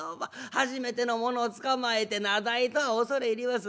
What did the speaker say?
初めての者をつかまえて名代とは恐れ入ります。